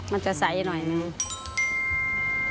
มันจะใสหน่อยหนึ่ง